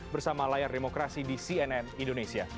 bersama layar demokrasi di cnn indonesia